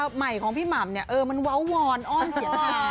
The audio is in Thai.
ตาใหม่ของพี่หมำเนี่ยมันวาววรอ้อมเสียตา